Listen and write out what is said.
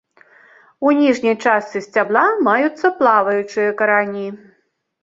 У ніжняй частцы сцябла маюцца плаваючыя карані.